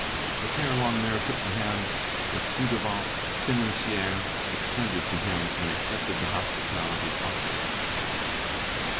The Père Longuemare took the hand the ci devant financier extended to him and accepted the hospitality offered.